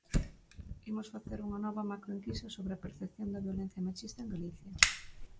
Imos facer unha nova macroenquisa sobre a percepción da violencia machista en Galicia.